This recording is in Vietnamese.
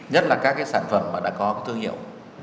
nhất là các cái sản phẩm mà đã có thương hiệu